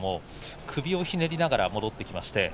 首をひねりながら戻ってきました。